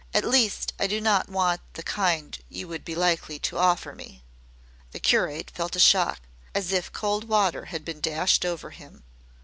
"At least I do not want the kind you would be likely to offer me." The curate felt a shock, as if cold water had been dashed over him.